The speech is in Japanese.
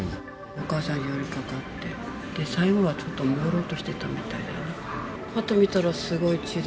お母さんに寄りかかって、最後はちょっともうろうとしてたみたいだね。